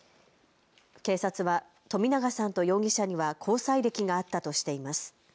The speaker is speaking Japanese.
警察は冨永さんと容疑者には交際歴があったとしています。